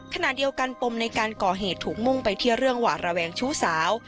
ขณะเดียวกันปมในการก่อเหตุถูกมุ่งไปที่เรื่องหวาดระแวงชู้สาว